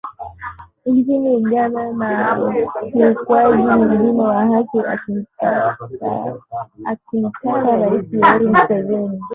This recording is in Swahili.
nchini Uganda na ukiukwaji mwingine wa haki akimtaka Rais Yoweri Museveni